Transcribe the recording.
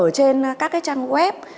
ở trên các cái trang web